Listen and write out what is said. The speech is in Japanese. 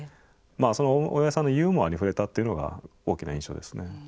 その大江さんのユーモアに触れたっていうのが大きな印象ですね。